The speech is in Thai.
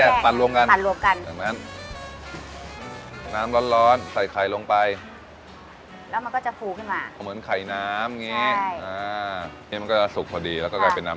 เอาน้ำซุปร้อนร้อนขึ้นมานิดนึงนะฮะ